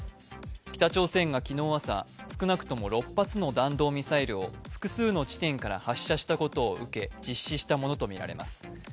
北朝鮮が昨日朝、少なくとも６発の弾道ミサイルを複数の地点から発射したことを受け、実施したものとみられます。